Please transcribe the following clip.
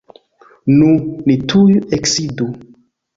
Nu, ni tuj eksidu.